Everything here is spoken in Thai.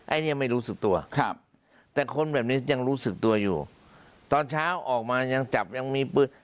อันนี้ยังไม่รู้สึกตัวครับแต่คนแบบนี้ยังรู้สึกตัวอยู่ตอนเช้าออกมายังจับยังมีปืน